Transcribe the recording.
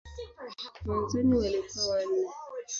Mwanzoni walikuwa wanne.